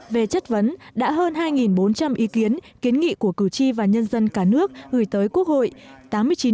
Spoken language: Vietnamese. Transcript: về chất vấn đã hơn hai bốn trăm linh ý kiến kiến nghị của cử tri và nhân dân cả nước gửi tới quốc hội